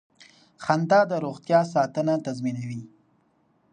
خندا د روغتیا ساتنه تضمینوي.